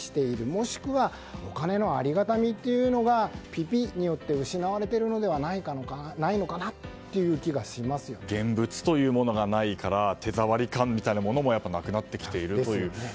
もしくはお金のありがたみというのがピピッによって失われているのではないかな現物というものがないから手触り感みたいなものもなくなってきている